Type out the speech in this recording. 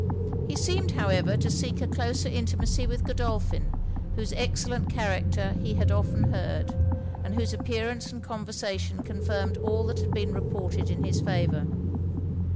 He seemed, however, to seek a closer intimacy with Godolphin, whose excellent character he had often heard, and whose appearance and conversation confirmed all that had been reported in his favour.